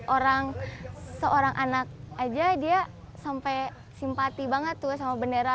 orang seorang anak aja dia sampai simpati banget tuh sama bendera